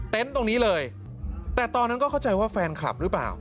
ตรงนี้เลยแต่ตอนนั้นก็เข้าใจว่าแฟนคลับหรือเปล่า